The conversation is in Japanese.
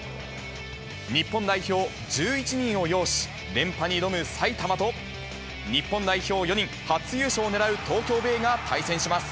日本代表１１人を擁し、連覇に挑む埼玉と、日本代表４人、初優勝を狙う東京ベイが対戦します。